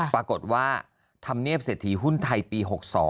ปรากฏว่าธรรมเนียบเศรษฐีหุ้นไทยปี๖๒